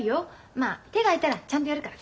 まあ手が空いたらちゃんとやるから。